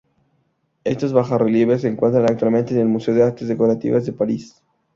Estos bajorrelieves se encuentran actualmente en el Museo de Artes Decorativas de París.